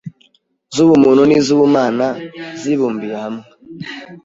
z’ubumuntu n’iz’ubumana zibumbiye hamwe